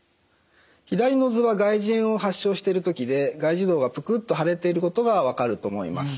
左の図は外耳炎を発症している時で外耳道がプクッと腫れていることが分かると思います。